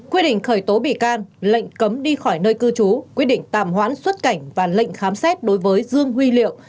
quyết định khởi tố bị can lệnh cấm đi khỏi nơi cư trú quyết định tạm hoãn xuất cảnh và lệnh khám xét đối với dương huy liệu